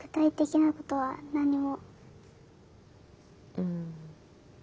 うん。